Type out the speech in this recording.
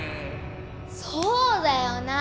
そうだよな！